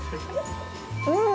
うん！